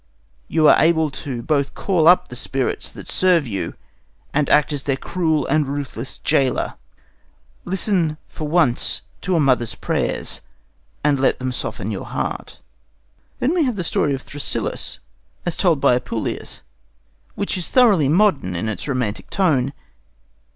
"You are able both to call up the spirits that serve you and to act as their cruel and ruthless gaoler. Listen for once to a mother's prayers, and let them soften your heart." Then we have the story of Thrasyllus, as told by Apuleius, which is thoroughly modern in its romantic tone.